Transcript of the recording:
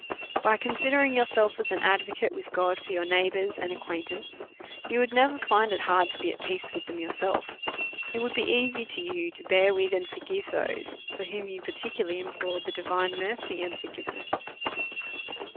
By considering yourself as an advocate with God for your neighbours and acquaintance, you would never find it hard to be at peace with them yourself. It would be easy to you to bear with, and forgive those, for whom you particularly implored the divine mercy and forgiveness.